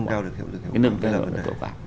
nâng cao được hiệu lực hiệu quả